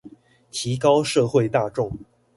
提高社會大眾